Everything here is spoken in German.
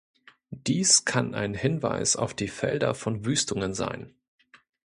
Dies kann ein Hinweis auf die Felder von Wüstungen sein.